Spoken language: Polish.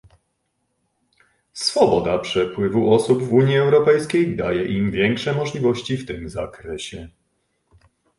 Swoboda przepływu osób w Unii Europejskiej daje im większe możliwości w tym zakresie